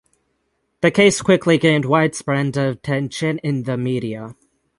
The case quickly gained widespread attention in the media.